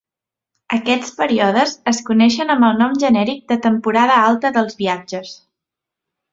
Aquests períodes es coneixen amb el nom genèric de temporada alta dels viatges.